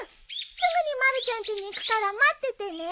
すぐにまるちゃんちに行くから待っててね。